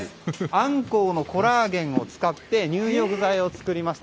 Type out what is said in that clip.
あんこうのコラーゲンを使って入浴剤を作りました。